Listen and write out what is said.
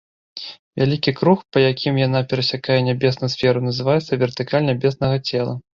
Вялікі круг, па якім яна перасякае нябесную сферу, называецца вертыкаль нябеснага цела.